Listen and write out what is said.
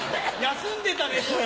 休んでたでしょう